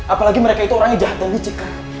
apalagi mereka itu orangnya jahat dan licik kan